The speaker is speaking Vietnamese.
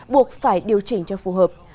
buộc phải điều chỉnh cho phù hợp